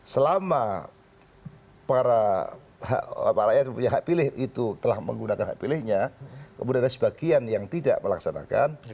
selama para rakyat punya hak pilih itu telah menggunakan hak pilihnya kemudian ada sebagian yang tidak melaksanakan